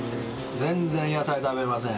全然野菜食べません。